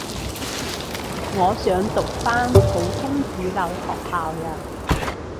我想讀返普通主流學校呀